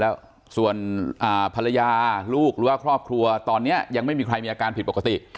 แล้วส่วนภรรยาลูกหรือว่าครอบครัวตอนนี้ยังไม่มีใครมีอาการผิดปกติ